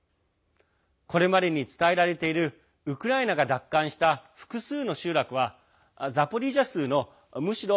これまでに伝えられているウクライナが奪還した複数の集落はザポリージャ州のむしろ